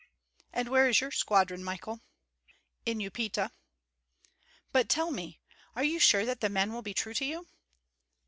And where is your squadron, Michael?" "In Upita." "But tell me, are you sure that the men will be true to you?"